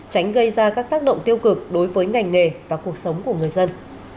tránh gây ra các tác động tiêu cực đối với ngành nghề và cuộc sống của người dân